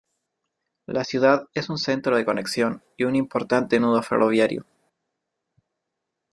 La ciudad es un centro de conexión, y un importante nudo ferroviario.